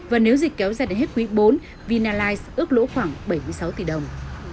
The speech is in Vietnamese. và nếu dịch kéo dài đến hết quý bốn vinalize ước lỗ khoảng bảy mươi sáu tỷ đồng